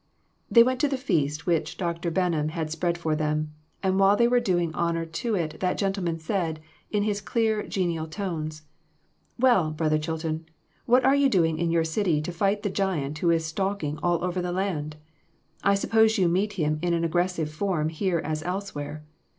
They went to the feast which Dr. Benham had spread for them, and while they were doing honor to it that gentleman said, in his clear, genial tones " Well, Brother Chilton, what are you doing in your city to fight the giant who is stalking all over the land ? I suppose you meet him in an aggressive form here as elsewhere.